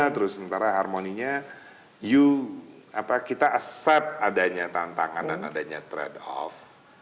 sementara harmoninya kita set adanya tantangan dan adanya trade off